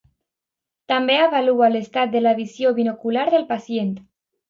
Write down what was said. També avalua l'estat de la visió binocular del pacient.